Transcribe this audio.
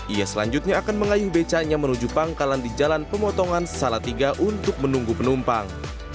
ia selanjutnya akan mengayuh becaknya menuju pangkalan di jalan pemotongan salatiga untuk menunggu penumpang